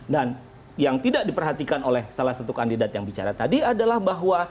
dan yang tidak diperhatikan oleh salah satu kandidat yang bicara tadi adalah bahwa